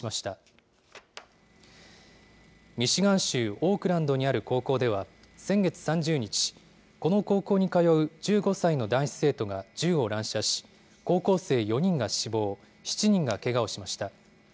オークランドにある高校では、先月３０日、この高校に通う１５歳の男子生徒が銃を乱射し、高校生４人が死亡、７人がけがをしました。